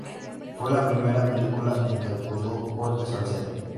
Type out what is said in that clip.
Fue la primera película en que actuó Jorge Salcedo.